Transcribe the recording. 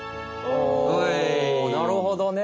なるほどね。